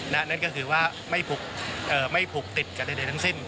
นั่นก็คือว่าไม่ผูกติดกับใดทั้งสิ้น